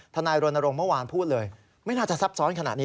นายรณรงค์เมื่อวานพูดเลยไม่น่าจะซับซ้อนขนาดนี้